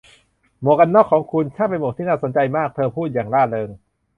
หมวกกันน็อคของคุณช่างเป็นหมวกที่น่าสนใจมาก' เธอพูดอย่างร่าเริง